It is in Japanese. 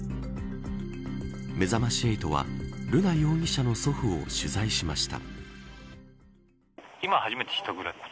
めざまし８は瑠奈容疑者の祖父を取材しました。